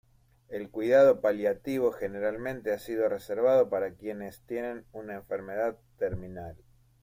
El cuidado paliativo generalmente ha sido reservado para quienes tienen una enfermedad terminal.